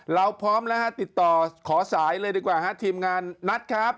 เราพร้อมแล้วฮะติดต่อขอสายเลยดีกว่าฮะทีมงานนัดครับ